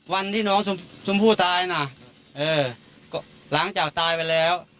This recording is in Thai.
วันที่น้องชมพู่ตายนะเออก็หลังจากตายไปแล้ว